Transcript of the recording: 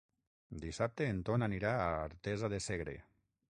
Dissabte en Ton anirà a Artesa de Segre.